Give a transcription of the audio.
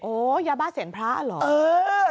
โอ้ยาบ้าเศียรพระเหรอ